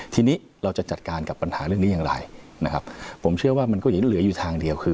ทีนี้เราจะจัดการกับปัญหาเรื่องนี้อย่างไรนะครับผมเชื่อว่ามันก็ยังเหลืออยู่ทางเดียวคือ